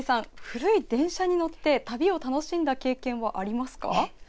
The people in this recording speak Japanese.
古い電車に乗って旅を楽しんだ経験はありますか。